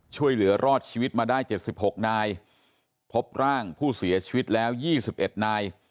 ช่วยเหลือรอดชีวิตมาได้เจ็ดสิบหกนายพบร่างผู้เสียชีวิตแล้วยี่สิบเอ็ดนาย